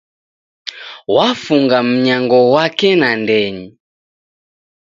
Wafunga mnyango ghwake nandenyi